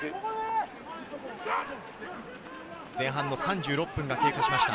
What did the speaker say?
前半の３６分が経過しました。